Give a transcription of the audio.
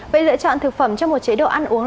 về lựa chọn thực phẩm cho một chế độ ăn uống